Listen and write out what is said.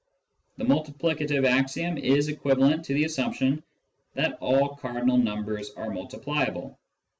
The multiplicative axiom is equivalent to the assumption that all cardinal numbers are multipliable.